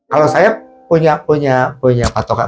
kalau saya punya patokan